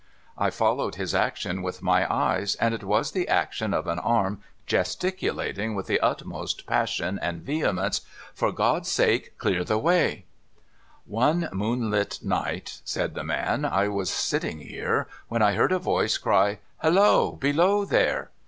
I followed his action with my eyes, and it was the action of an arm gesticulating, with the utmost passion and vehemence, ' For God's sake, clear the way !' 462 MUGBY JUNCTION ' One moonlight night,' said the man, ' I was sitting here, when I heard a voice cry, " Halloa ! Below there